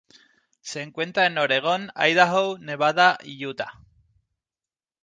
Se encuentra en Oregón, Idaho, Nevada, y Utah.